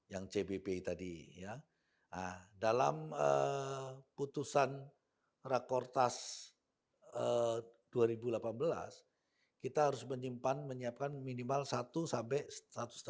yang cbp tadi ya dalam putusan rakortas dua ribu delapan belas kita harus menyimpan menyiapkan minimal satu sampai